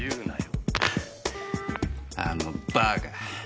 あのバーカ。